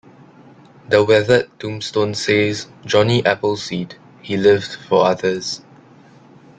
The weathered tombstone says, Johnny Appleseed He lived for others.